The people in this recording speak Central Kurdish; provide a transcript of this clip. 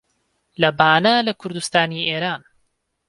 لە بانە لە کوردستانی ئێران